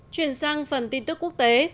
chuyển sang phần tin tức quốc tế